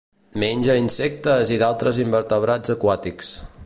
Menja insectes i d'altres invertebrats aquàtics.